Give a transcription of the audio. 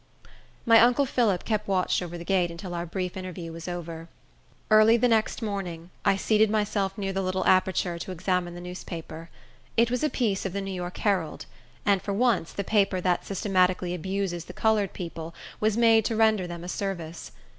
My uncle Phillip kept watch over the gate until our brief interview was over. Early the next morning, I seated myself near the little aperture to examine the newspaper. It was a piece of the New York Herald; and, for once, the paper that systematically abuses the colored people, was made to render them a service.